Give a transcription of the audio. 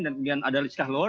dan kemudian ada rizka lord